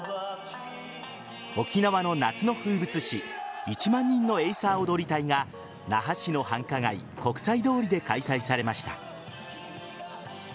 沖縄の夏の風物詩１万人のエイサー踊り隊が那覇市の繁華街国際通りで開催されました。